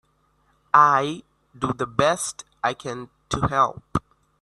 I do the best I can to help.